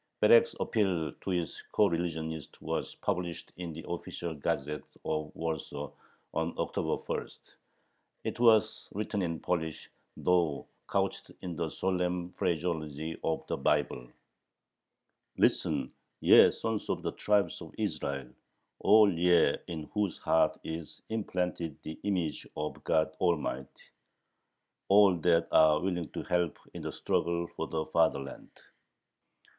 Berek's appeal to his coreligionists was published in the official "Gazette" of Warsaw on October 1. It was written in Polish, though couched in the solemn phraseology of the Bible: Listen, ye sons of the tribes of Israel, all ye in whose heart is implanted the image of God Almighty, all that are willing to help in the struggle for the fatherland....